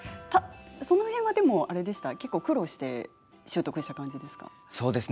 その辺は結構苦労して習得した感じですか。